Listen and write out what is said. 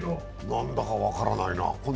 なんだか分からないな。